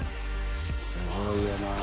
すごいよな。